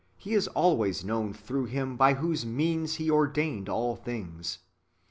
He is always known through Him by whose means He ordained all things.